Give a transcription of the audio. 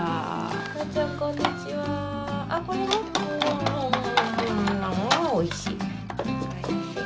あおいしい。